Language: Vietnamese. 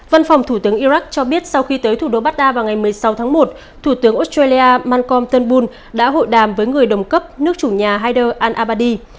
văn phòng thủ tướng iraq cho biết sau khi tới thủ đô baghdad vào ngày một mươi sáu tháng một thủ tướng australia malcom tân bull đã hội đàm với người đồng cấp nước chủ nhà haider al abadi